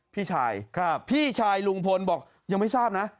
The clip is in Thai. พี่ชายพี่ชายลุงพลบอกยังไม่ทราบนะ